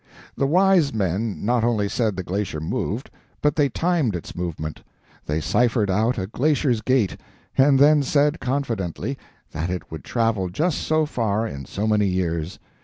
The wise men not only said the glacier moved, but they timed its movement. They ciphered out a glacier's gait, and then said confidently that it would travel just so far in so many years.